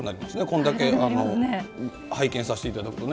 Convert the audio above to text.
こんだけ拝見させていただくと。